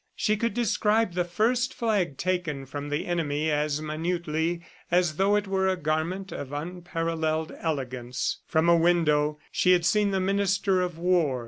She could describe the first flag taken from the enemy as minutely as though it were a garment of unparalleled elegance. From a window, she had seen the Minister of War.